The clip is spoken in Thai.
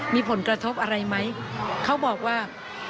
มีผลกระทบอะไรไหมเขาบอกว่า